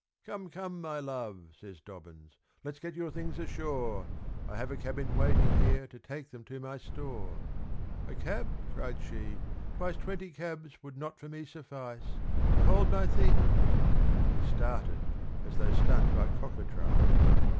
"Come, come, my love!" says Dobbins, "let's get your things ashore; I have a cab in waiting here to take them to my store." "A cab!" cried she "twice twenty cabs would not for me suffice; Behold my things!" He started, as though stung by cockatrice.